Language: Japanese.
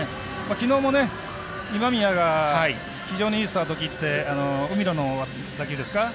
きのうも今宮が非常にいいスタート切って海野の打球ですかね